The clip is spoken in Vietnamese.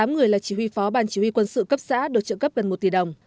tám người là chỉ huy phó ban chỉ huy quân sự cấp xã được trợ cấp gần một tỷ đồng